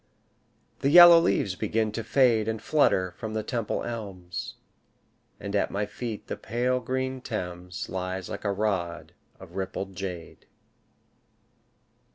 The yellow leaves begin to fade And flutter from the Temple elms, And at my feet the pale green Thames Lies like a rod of rippled jade.